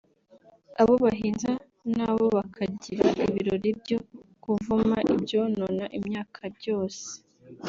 Abo bahinza nabo bakagira ibirori byo kuvuma ibyonona imyaka byose